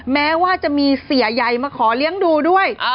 แม้ว่าจะมีเสียใหญ่มาขอเลี้ยงดูด้วย